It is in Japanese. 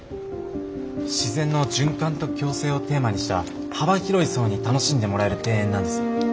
自然の循環と共生をテーマにした幅広い層に楽しんでもらえる庭園なんです。